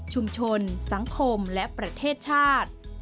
ชุมชนสังคมและประเทศชาติ